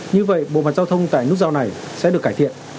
như vậy bộ mặt giao thông tại nút giao này sẽ được cải thiện